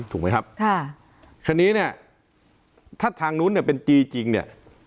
ถูกไหมครับค่ะคราวนี้เนี่ยถ้าทางนู้นเนี่ยเป็นจีจริงเนี่ย